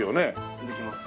できます。